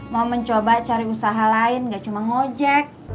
mau mencoba cari usaha lain gak cuma ngojek